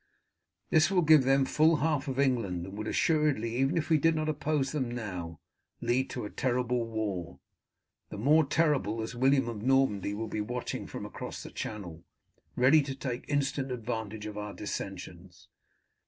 This will give them full half of England, and would assuredly, even did we not oppose them now, lead to a terrible war. The more terrible as William of Normandy will be watching from across the channel, ready to take instant advantage of our dissensions.